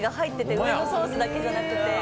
上のソースだけじゃなくて。